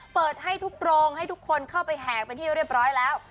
เปิดให้ทุกโปรงให้ทุกคนเข้าไปแหกเป็นที่เรียบร้อยแล้ว